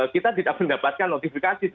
kita tidak mendapatkan notifikasi